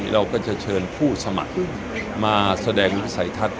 เราก็จะเชิญผู้สมัครมาแสดงวิสัยทัศน์